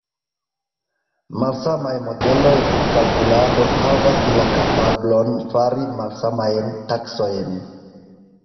Malsamaj modeloj de kalkulado havas la kapablon fari malsamajn taskojn.